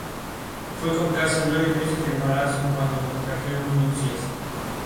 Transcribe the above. Los priones no se pueden transmitir por aire o por medio del contacto casual.